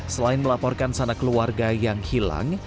selain melaporkan sana keluarga yang hilang